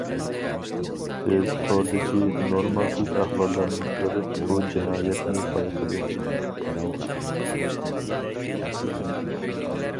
بىز توردىكى نورمالسىز ئەھۋاللارنى كۆرۈپ بۇ جىنايەتنى بايقىدى.